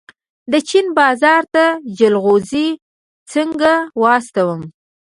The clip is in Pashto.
د چین بازار ته جلغوزي څنګه واستوم؟